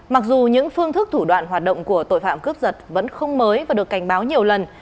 mặc dù những phương thức thủ đoạn hoạt động của tội phạm cướp giật vẫn không mới và được cảnh báo nhiều lần